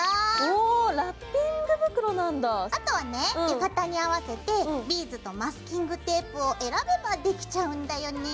浴衣に合わせてビーズとマスキングテープを選べばできちゃうんだよね。